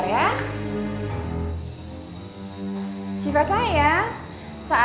tentang apa apa bisa ketemu dia